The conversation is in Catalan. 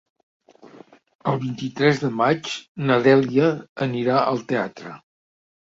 El vint-i-tres de maig na Dèlia anirà al teatre.